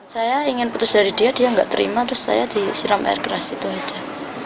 saya ingin putus dari dia dia nggak terima terus saya disiram air keras itu aja